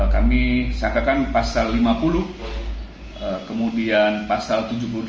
kami sangkakan pasal lima puluh kemudian pasal tujuh puluh delapan